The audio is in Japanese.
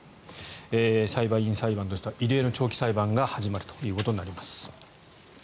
裁判員裁判としては異例の長期裁判が始まるということになります。